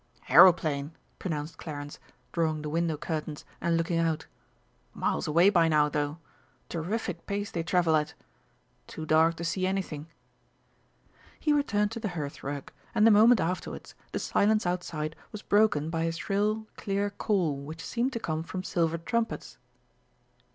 "Aeroplane," pronounced Clarence, drawing the window curtains and looking out. "Miles away by now, though. Terrific pace they travel at. Too dark to see anything." He returned to the hearthrug, and the moment afterwards, the silence outside was broken by a shrill, clear call which seemed to come from silver trumpets.